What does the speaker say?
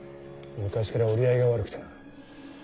昔から折り合いが悪くてな。